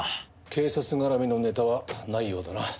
警察絡みのネタはないようだな。